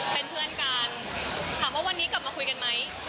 เป็นเพื่อนกันถามว่าวันนี้กลับมาคุยกันไหม